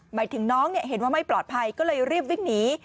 หมายถึงน้องเห็นว่าไม่ปลอดภัยก็เลยรีบวิ่งหนี